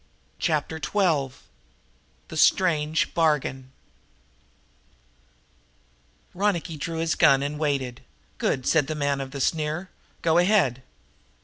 Chapter Twelve The Strange Bargain Ronicky drew his gun and waited. "Good," said the man of the sneer. "Go ahead."